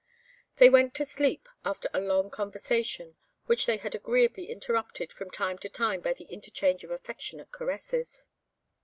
They went to sleep, after a long conversation, which they had agreeably interrupted, from time to time, by the interchange of affectionate caresses.